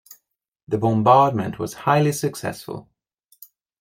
The bombardment was highly successful.